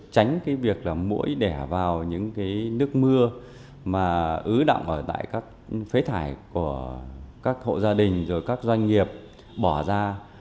tránh việc mũi đẻ vào những nước mưa mà ứ động ở các phế thải của các hộ gia đình các doanh nghiệp bỏ ra